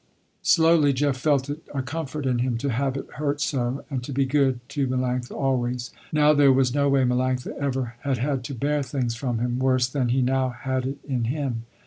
Slowly Jeff felt it a comfort in him to have it hurt so, and to be good to Melanctha always. Now there was no way Melanctha ever had had to bear things from him, worse than he now had it in him.